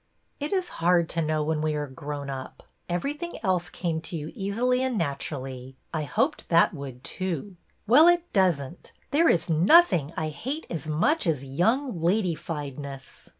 '' It is hard to know when we are grown up. Everything else came to you easily and naturally. I hoped that would, too." '' Well, it does n't. There is nothing that I hate as much as young ladyfiedness."